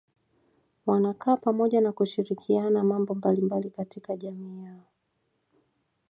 Wanakaa pamoja na kushirikiana mambo mbalimbali katika jamii yao